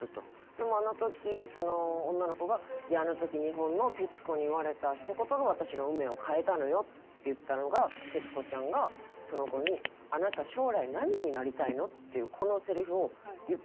でもあの時その女の子が「いやあの時日本の徹子に言われたひと言が私の運命を変えたのよ」って言ったのが徹子ちゃんがその子に「あなた将来何になりたいの？」っていうこのせりふを言ったのよ。